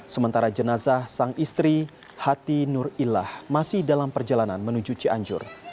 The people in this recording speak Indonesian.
sementara jenazah sang istri hati nurillah masih dalam perjalanan menuju cianjur